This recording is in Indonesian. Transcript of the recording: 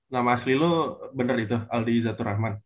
nama asli lu bener itu aldi izatur rahman